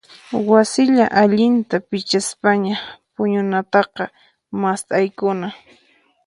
Wasilla allinta pichaspaña puñunataqa mast'aykuna.